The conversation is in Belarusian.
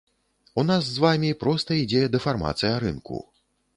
У нас з вамі проста ідзе дэфармацыя рынку.